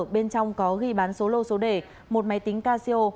bên trong có ghi bán số lô số đề một máy tính casio